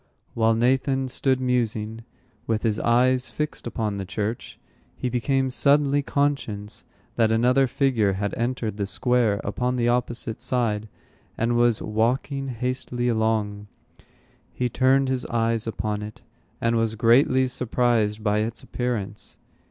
While Nathan stood musing, with his eyes fixed upon the church, he became suddenly conscious that another figure had entered the square upon the opposite side, and was walking hastily along. He turned his eyes upon it, and was greatly surprised by its appearance.